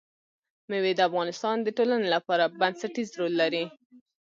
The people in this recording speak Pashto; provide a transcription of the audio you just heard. مېوې د افغانستان د ټولنې لپاره بنسټيز رول لري.